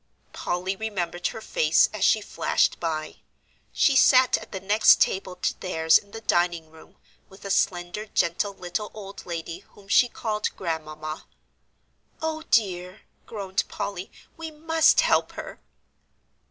Polly remembered her face as she flashed by. She sat at the next table to theirs in the dining room, with a slender, gentle, little old lady whom she called "Grandmamma." "O dear!" groaned Polly, "we must help her!"